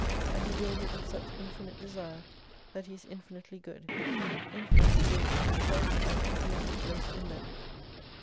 And He willed it with such infinite desire, that He is infinitely good : infinitely good in Himself, and infinitely blessed in them.